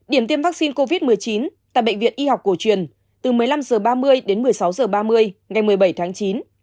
điểm tiêm vaccine covid một mươi chín tại bệnh viện y học cổ truyền từ một mươi năm h ba mươi đến một mươi sáu h ba mươi ngày một mươi bảy tháng chín